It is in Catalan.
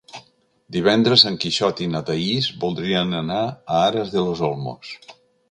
Divendres en Quixot i na Thaís voldrien anar a Aras de los Olmos.